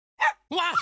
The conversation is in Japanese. わっ！